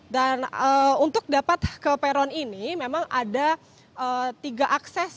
dan untuk dapat ke peron ini memang ada tiga akses